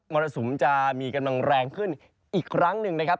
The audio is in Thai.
รสุมจะมีกำลังแรงขึ้นอีกครั้งหนึ่งนะครับ